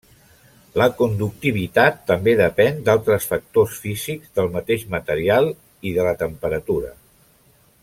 La conductivitat també depèn d'altres factors físics del mateix material i de la temperatura.